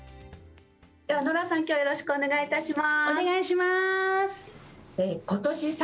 ではノラさん、きょうはよろしくお願いします。